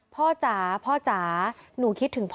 จ๋าพ่อจ๋าหนูคิดถึงพ่อ